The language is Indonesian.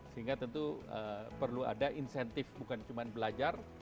sehingga tentu perlu ada insentif bukan cuma belajar